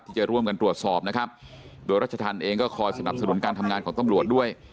ที่จะร่วมกันตรวจสอบนะครับโดยรัชธรรมเองก็คอยสนับสนุนการทำงานของตำรวจด้วย